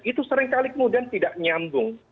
itu seringkali kemudian tidak nyambung